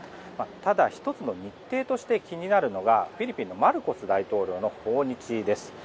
ただ、１つの日程として気になるのがフィリピンのマルコス大統領の訪日です。